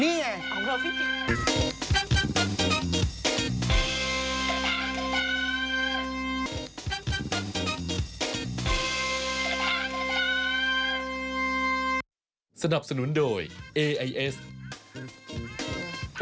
นี่ไงของเธอฟิจิ